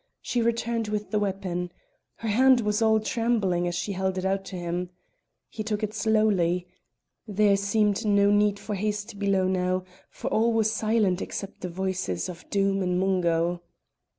She returned with the weapon. Her hand was all trembling as she held it out to him. He took it slowly; there seemed no need for haste below now, for all was silent except the voices of Doom and Mungo.